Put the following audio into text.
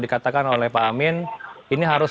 dikatakan oleh pak amin ini harus